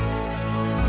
neng bisa menggantikan